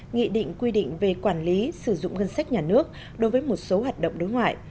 nghị định quy định về quản lý sử dụng ngân sách nhà nước đối với một số hoạt động đối ngoại